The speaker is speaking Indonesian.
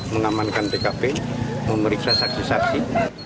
mengamankan tkp memeriksa saksi saksi